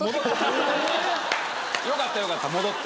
よかったよかった戻って。